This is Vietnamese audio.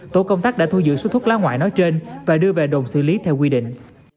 tổ công tác đã thu giữ số thuốc lá ngoại nói trên và đưa về đồn xử lý theo quy định